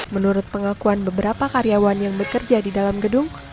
menurut pengakuan beberapa karyawan yang bekerja di dalam gedung